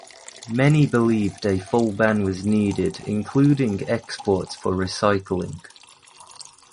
Many believed a full ban was needed including exports for recycling.